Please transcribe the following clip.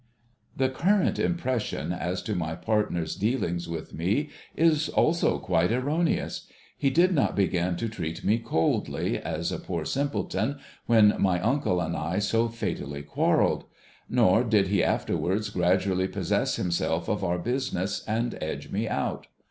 The current impression as to my partner's dealings with me is also quite erroneous. He did not begin to treat me coldly, as a poor simpleton, when my uncle and I so fatally quarrelled ; nor did he afterwards gradually possess himself of our business and edge me out.